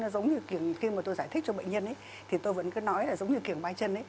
giống như khi mà tôi giải thích cho bệnh nhân thì tôi vẫn cứ nói là giống như kiểu mái chân